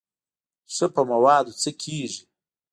ښه په موادو څه کېږي.